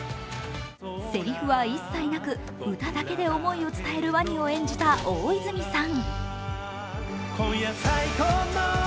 せりふは一切なく、歌だけで思いを伝える、わにを演じた大泉さん。